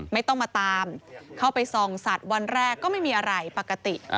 ไม่ต้องมาตามเข้าไปส่องสัตว์วันแรกก็ไม่มีอะไรปกติ